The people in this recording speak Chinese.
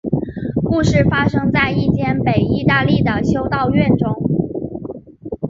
故事发生在一间北意大利的修道院中。